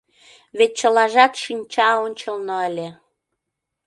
Вет чылажат шинча ончылно ыле.